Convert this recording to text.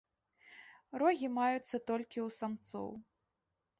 Рогі маюцца толькі ў самцоў.